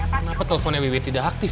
kenapa telponnya wiwi tidak aktif ya